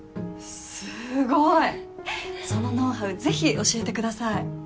すごい！そのノウハウぜひ教えてください。